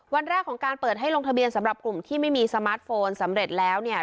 วันแรกของการเปิดให้ลงทะเบียนสำหรับกลุ่มที่ไม่มีสมาร์ทโฟนสำเร็จแล้วเนี่ย